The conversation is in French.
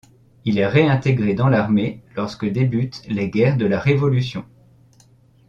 Il est réintégré dans l'armée lorsque débutent les guerres de la Révolution.